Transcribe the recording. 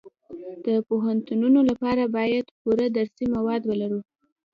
د پوهنتونونو لپاره باید پوره درسي مواد ولرو